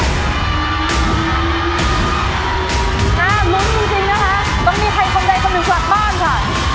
อ่ามึงจริงนะคะต้องมีใครคนใดคนหนึ่งสวัสดิ์บ้านค่ะ